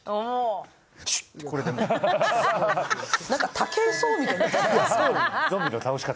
武井壮みたい。